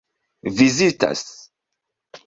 vizitas